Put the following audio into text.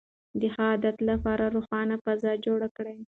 د ښه عادت لپاره روښانه فضا جوړه کړئ.